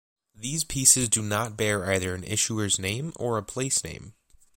These pieces do not bear either an issuer's name or a place name.